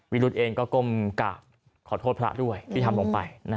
รุธเองก็ก้มกราบขอโทษพระด้วยที่ทำลงไป